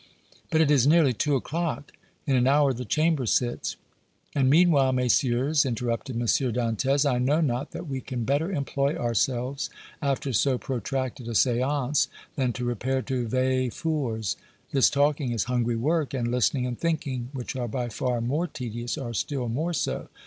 But it is nearly two o'clock. In an hour the Chamber sits." "And, meanwhile, Messieurs," interrupted M. Dantès, "I know not that we can better employ ourselves, after so protracted a séance, than to repair to Véfour's. This talking is hungry work, and listening and thinking, which are by far more tedious, are still more so.